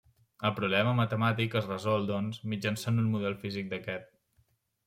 El problema matemàtic es resol doncs mitjançant un model físic d'aquest.